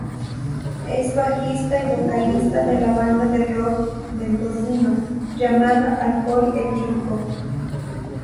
Es bajista y vocalista de la banda de rock mendocino, llamada Alcohol Etílico.